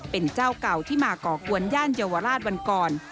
เป็นเจ้าเก่าที่มาก่อกวนย่านเยาวราชวันก่อน